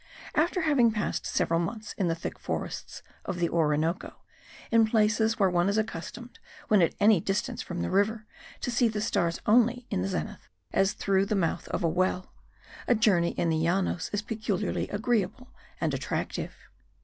After having passed several months in the thick forests of the Orinoco, in places where one is accustomed, when at any distance from the river, to see the stars only in the zenith, as through the mouth of a well, a journey in the Llanos is peculiarly agreeable and attractive.